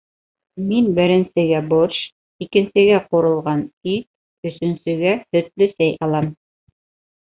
Мин беренсегә борщ, икенсегә ҡурылған ит, өсөнсөгә һөтлө сәй алам.